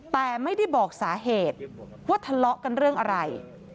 แต่ไม่ได้บอกสาเหตุว่าทะเลาะกันเรื่องอะไร